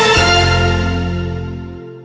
โรงเรียนดูรัก